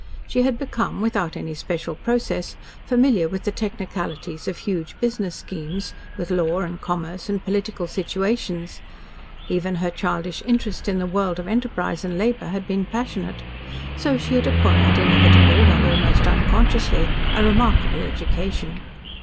She had become without any special process familiar with the technicalities of huge business schemes, with law and commerce and political situations. Even her childish interest in the world of enterprise and labour had been passionate. So she had acquired inevitably, while almost unconsciously a remarkable education.